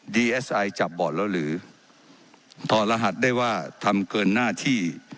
เอสไอจับบอร์ดแล้วหรือทรหัสได้ว่าทำเกินหน้าที่